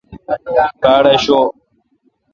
باڑاشوب۔